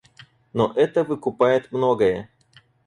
Но это выкупает многое.